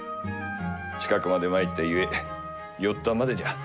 近くまで参ったゆえ寄ったまでじゃ。